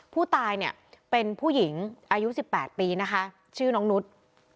ผู้ตายเนี่ยเป็นผู้หญิงอายุ๑๘ปีนะคะชื่อน้องนุษย์